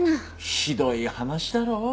ひどい話だろ？